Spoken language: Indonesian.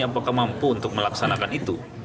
apakah mampu untuk melaksanakan itu